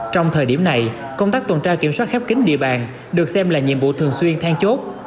trong thời điểm này công tác tuần tra kiểm soát khép kính địa bàn được xem là nhiệm vụ thường xuyên thang chốt